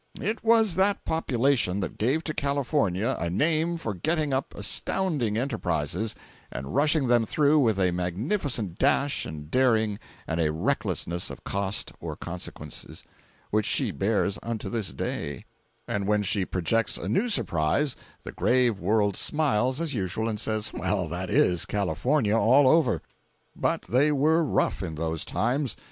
It was that population that gave to California a name for getting up astounding enterprises and rushing them through with a magnificent dash and daring and a recklessness of cost or consequences, which she bears unto this day—and when she projects a new surprise, the grave world smiles as usual, and says "Well, that is California all over." But they were rough in those times!